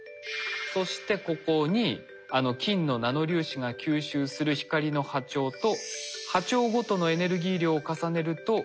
そしてここにあの金のナノ粒子が吸収する光の波長と波長ごとのエネルギー量を重ねると。